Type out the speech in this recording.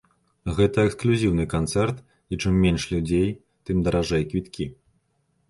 Гэта эксклюзіўны канцэрт і чым менш людзей, тым даражэй квіткі.